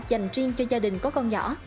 dành riêng cho gia đình có con nhỏ